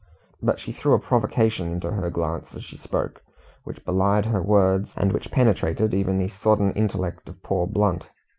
But she threw a provocation into her glance as she spoke, which belied her words, and which penetrated even the sodden intellect of poor Blunt.